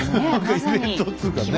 イベントっつかね。